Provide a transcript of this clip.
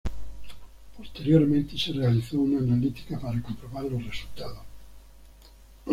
Posteriormente se realizó una analítica para comprobar los resultados.